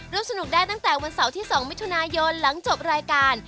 สนุกได้ตั้งแต่วันเสาร์ที่๒มิถุนายนหลังจบรายการ